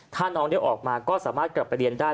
ถ้าน้องได้ออกมาก็สามารถกลับไปเรียนได้